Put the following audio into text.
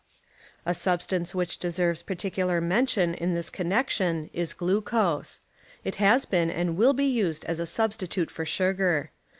20 A substance which deserves particular mention in this con nection is glucose. It has been and will be used as a substitute for sugar.